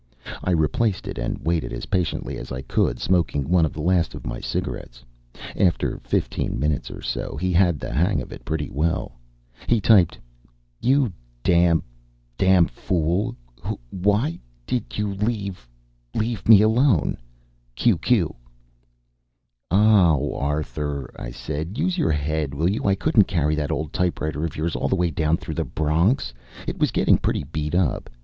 I replaced it and waited, as patiently as I could, smoking one of the last of my cigarettes. After fifteen minutes or so, he had the hang of it pretty well. He typed: YOU DAMQXXX DAMN FOOL WHUXXX WHY DID YOU LEAQNXXX LEAVE ME ALONE Q Q "Aw, Arthur," I said. "Use your head, will you? I couldn't carry that old typewriter of yours all the way down through the Bronx. It was getting pretty beat up.